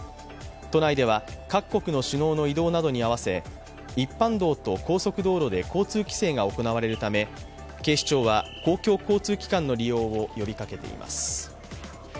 都内では各国の首脳の移動などに合わせ一般道と高速道路で交通規制が行われるため警視庁は公共交通機関の利用を呼びかけています。